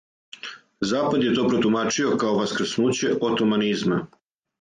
Запад је то протумачио као васкрснуће отоманизма.